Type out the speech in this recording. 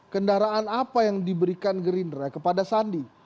kendaraan apa yang diberikan gerindra kepada sandi